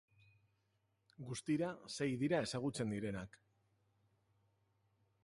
Guztira sei dira ezagutzen direnak.